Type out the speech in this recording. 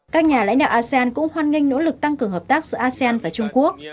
các nhà lãnh đạo asean cũng hoan nghênh nỗ lực tăng cường hợp tác giữa asean và trung quốc